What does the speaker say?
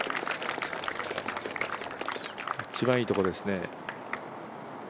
一番いいところですね。